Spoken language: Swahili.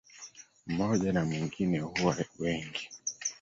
Mmoja na mwingine huwa wengi.